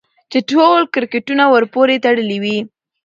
چې ټول کرکټرونه ورپورې تړلي وي